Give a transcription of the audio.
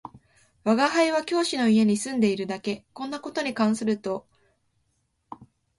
吾輩は教師の家に住んでいるだけ、こんな事に関すると両君よりもむしろ楽天である